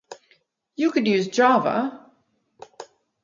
You could use Java